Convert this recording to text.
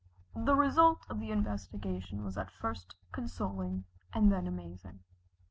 The result of the investigation was at first consoling, and then amazing.